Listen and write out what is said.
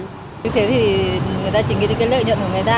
như thế thì người ta chỉ nghĩ đến cái lợi nhuận của người ta